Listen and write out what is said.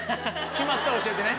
決まったら教えてね。